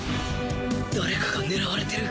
誰かが狙われてる